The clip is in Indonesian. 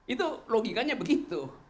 itu logikanya begitu